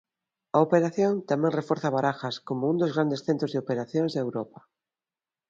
A operación tamén reforza Barajas como un dos grandes centros de operacións de Europa.